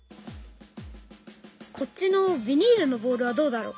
こっちのビニールのボールはどうだろう？